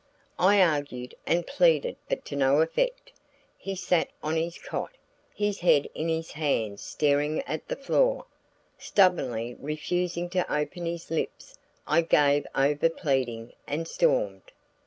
I argued and pleaded but to no effect. He sat on his cot, his head in his hands staring at the floor, stubbornly refusing to open his lips. I gave over pleading and stormed.